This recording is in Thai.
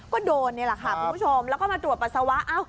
ก็โดนนี่แหละค่ะคุณผู้ชมแล้วก็มาตรวจปัสสาวะ